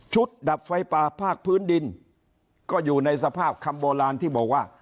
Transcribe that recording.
ดับไฟป่าภาคพื้นดินก็อยู่ในสภาพคำโบราณที่บอกว่า